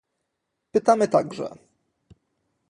Pytamy także